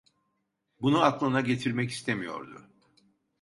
Bunu aklına getirmek istemiyordu.